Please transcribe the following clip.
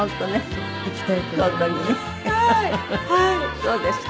そうですか。